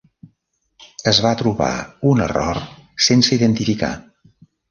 Es va trobar un error sense identificar.